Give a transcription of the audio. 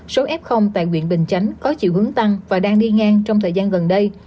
số f tại quyện bình chánh có chiều hướng tăng và đang đi ngang trong thời gian gần đây